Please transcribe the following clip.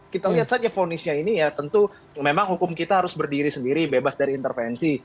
kita lihat saja fonisnya ini ya tentu memang hukum kita harus berdiri sendiri bebas dari intervensi